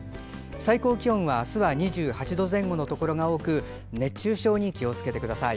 最高気温は明日は２８度前後のところが多く熱中症に気をつけてください。